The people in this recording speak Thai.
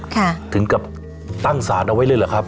ถึงกับตั้งศาลเอาไว้เลยเหรอครับ